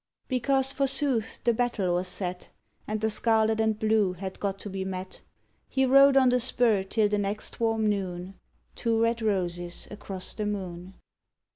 _ Because, forsooth, the battle was set, And the scarlet and blue had got to be met, He rode on the spur till the next warm noon: _Two red roses across the moon.